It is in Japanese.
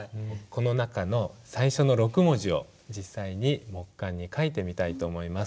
この中の最初の６文字を実際に木簡に書いてみたいと思います。